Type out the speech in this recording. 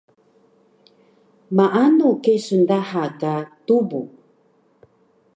Maanu kesun daha ka tubu?